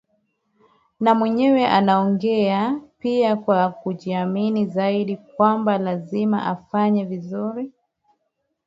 na mwenyewe anaongea pia kwa kujiamini zaidi kwamba lazima atafanya vizuri